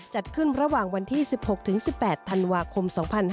จัดขึ้นระหว่างวันที่๑๖๑๘ธันวาคม๒๕๕๙